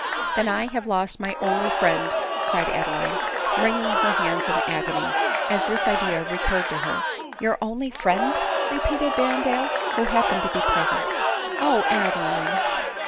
"Then I have lost my only friend!" cried Adeline, 4 wringing her hands in agony, as this idea recurred to hen "Your only friend?" repeated Berrendale, who happen * ed to be present, "O Adeline!"